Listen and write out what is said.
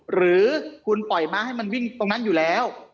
หรือคุณปล่อยม้าให้มันวิ่งตรงนั้นอยู่แล้ว